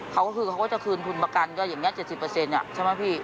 เขาก็คือเขาก็จะคืนทุนประกันก็อย่างนี้๗๐ใช่ไหมพี่